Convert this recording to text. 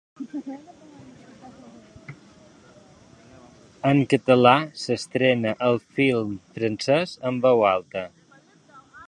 En català s’estrena el film francès En veu alta.